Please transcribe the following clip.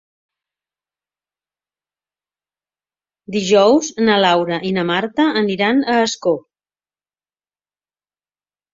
Dijous na Laura i na Marta aniran a Ascó.